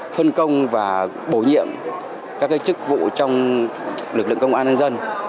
phân công và bổ nhiệm các chức vụ trong lực lượng công an nhân dân